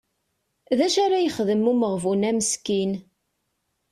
D acu ara yexdem umeɣbun-a meskin?